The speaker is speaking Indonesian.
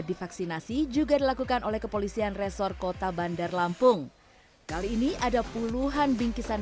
divaksinasi juga dilakukan oleh kepolisian resor kota bandar lampung kali ini ada puluhan bingkisan